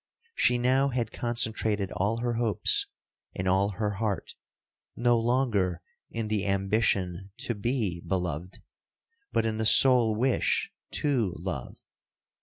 She now had concentrated all her hopes, and all her heart, no longer in the ambition to be beloved, but in the sole wish to love.